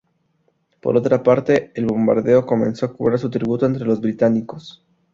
Por otra parte el bombardeo comenzó a cobrar su tributo entre los británicos.